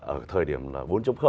ở thời điểm là bốn